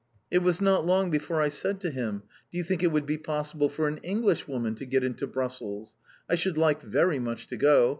It was not long before I said to him: "Do you think it would be possible for an Englishwoman to get into Brussels? I should like very much to go.